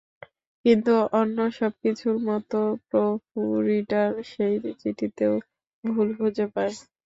কিন্তু অন্য সবকিছুর মতো প্রুফ রিডার, সেই চিঠিতেও ভুল খুঁজে পায়।